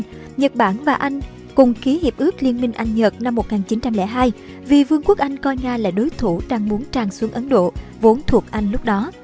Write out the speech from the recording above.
năm một nghìn chín trăm linh ba nhật bản và anh cùng ký hiệp ước liên minh anh nhật năm một nghìn chín trăm linh hai vì vương quốc anh coi nga là đối thủ đang muốn tràn xuống ấn độ vốn thuộc anh lúc đó